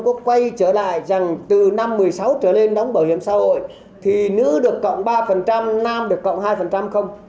có quay trở lại rằng từ năm một mươi sáu trở lên đóng bảo hiểm xã hội thì nữ được cộng ba nam được cộng hai không